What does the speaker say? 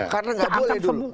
karena gak boleh dulu